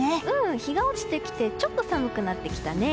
日が落ちてきてちょっと寒くなってきたね。